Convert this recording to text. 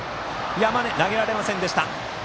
山根、投げられませんでした。